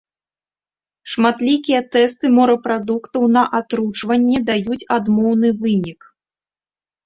Шматлікія тэсты морапрадуктаў на атручванне даюць адмоўны вынік.